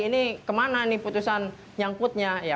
ini kemana nih putusan nyangkutnya ya